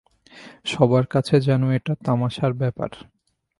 সবার কাছে যেন এটা তামাশার ব্যাপার।